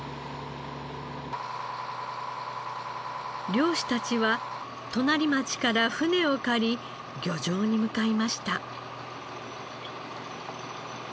漁師たちは隣町から船を借り漁場に向かいました。